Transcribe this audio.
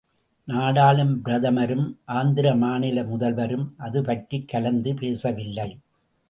நாடாளும் பிரதமரும், ஆந்திர மாநில முதல்வரும் அது பற்றிக் கலந்து பேசவில்லை.